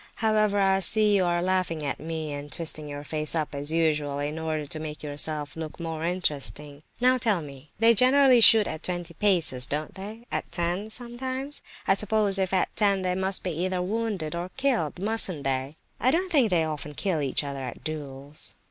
"However, I see you are laughing at me and twisting your face up as usual in order to make yourself look more interesting. Now tell me, they generally shoot at twenty paces, don't they? At ten, sometimes? I suppose if at ten they must be either wounded or killed, mustn't they?" "I don't think they often kill each other at duels."